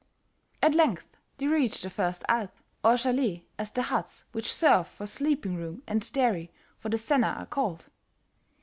At length they reached the first "alp," or chalet, as the huts which serve for sleeping room and dairy for the sennern are called.